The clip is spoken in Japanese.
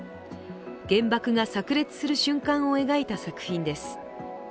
原爆がさく裂する瞬間を描いた作品です。